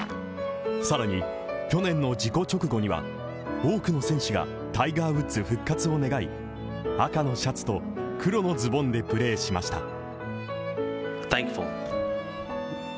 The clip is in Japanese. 更に去年の事故直後には多くの選手が、タイガー・ウッズ復活を願い赤のシャツと黒のズボンでプレーしました。